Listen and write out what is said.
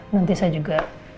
nanti saya juga